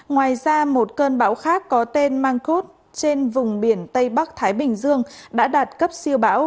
ngoài ra một cơn bão khác có tên mang cút trên vùng biển tây bắc thái bình dương đã đạt cấp siêu bão